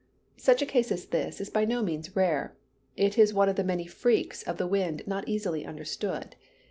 Such a case as this is by no means rare. It is one of the many freaks of the wind not easily understood.